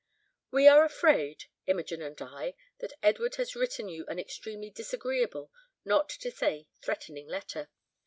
"We are afraid, Imogen and I, that Edward has written you an extremely disagreeable, not to say threatening letter.